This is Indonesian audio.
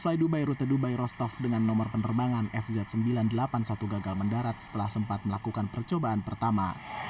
fly dubai rute dubai rostov dengan nomor penerbangan fz sembilan ratus delapan puluh satu gagal mendarat setelah sempat melakukan percobaan pertama